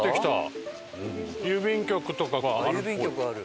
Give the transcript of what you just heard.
郵便局はある。